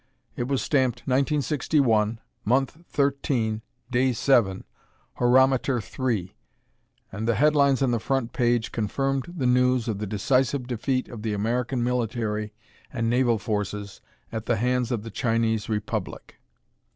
It was stamped 1961, Month 13, Day 7, Horometer 3, and the headlines on the front page confirmed the news of the decisive defeat of the American military and naval forces at the hands of the Chinese Republic.